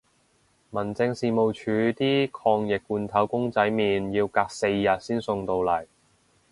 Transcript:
民政事務署啲抗疫罐頭公仔麵要隔四日先送到嚟